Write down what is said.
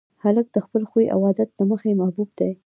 هلک د خپل خوی او عادت له مخې محبوب دی.